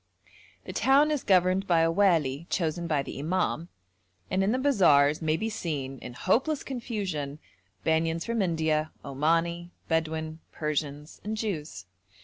The town is governed by a wali chosen by the imam, and in the bazaars may be seen, in hopeless confusion, Banyans from India, Omani, Bedouin, Persians and Jews.